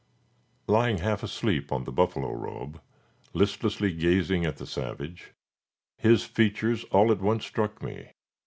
Lying half asleep on the buffalo robe, listlessly gazing at the savage, his features all at once struck me.